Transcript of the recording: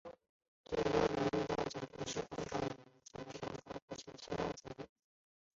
最高荣誉奖项十大电视广告演员奖项明星奖项广告歌曲奖项其他奖项